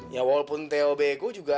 ya walaupun untuk obolik juga